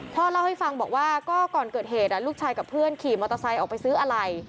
พ่อเล่าให้ฟังบอกว่าก็ก่อนเกิดเหตุลูกชายกับเพื่อนขี่มอเตอร์ไซค์ออกไปซื้ออะไร